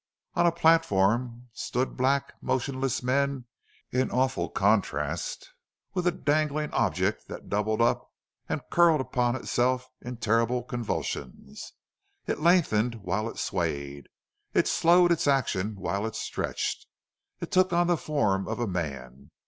On a platform stood black, motionless men in awful contrast with a dangling object that doubled up and curled upon itself in terrible convulsions. It lengthened while it swayed; it slowed its action while it stretched. It took on the form of a man.